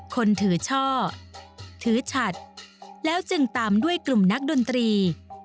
คนถือช่อถือฉัดแล้วจึงตามด้วยกลุ่มนักดนตรี